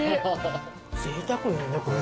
ぜいたくよねこれ。